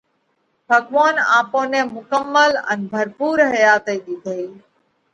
ڀڳوونَ آپون نئہ مُڪمل ان ڀرپُور حياتئِي ۮِيڌئيه۔